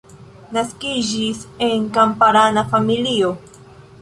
Naskiĝis en kamparana familio.